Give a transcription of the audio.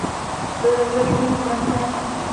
Byl rezervním brankářem.